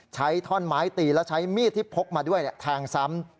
ท่อนไม้ตีและใช้มีดที่พกมาด้วยแทงซ้ำ